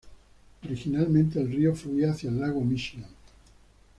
Originalmente, el río fluía hacia el lago Míchigan.